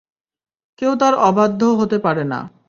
কেউ তার অবাধ্য হতে পারে না।